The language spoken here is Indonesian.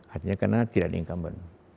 artinya karena tidak ada yang kamben